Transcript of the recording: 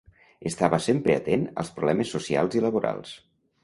Estava sempre atent als problemes socials i laborals.